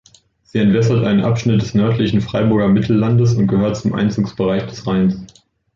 Sie entwässert einen Abschnitt des nördlichen Freiburger Mittellandes und gehört zum Einzugsbereich des Rheins.